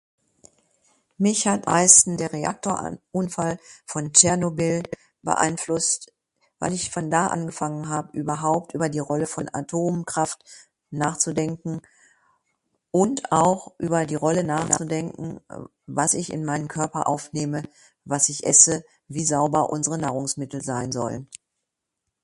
Mich hat eisten der Reaktorunfall von Tschernobyl beeinflusst, weil ich von da angefangen hab überhaupt über die Rolle von Atomkraft nachzudenken. Und auch über die Rolle nachzudenken was ich in meinen Körper aufnehme, was ich esse, wie sauber unsre Nahrungsmittel sein sollen.